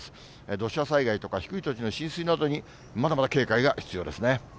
土砂災害とか低い土地の浸水などにまだまだ警戒が必要ですね。